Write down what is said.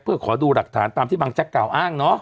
เพื่อขอดูหลักฐานตามที่บางแจ๊กกล่าอ้างเนาะ